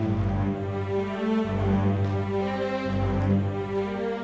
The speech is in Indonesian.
ibu akan membutuhkan